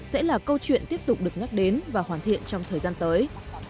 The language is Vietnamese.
sẽ là câu chuyện tiếp tục được nhắc đến và hoàn thiện trong thời gian tới